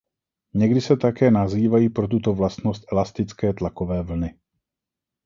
Někdy se také nazývají pro tuto vlastnost elastické tlakové vlny.